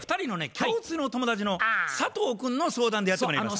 共通の友達の佐藤君の相談でやってまいりました。